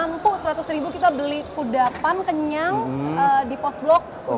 apakah mampu seratus ribu kita beli kuda pan kenyal di post blog